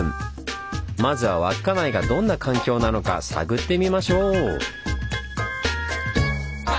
まずは稚内がどんな環境なのか探ってみましょう！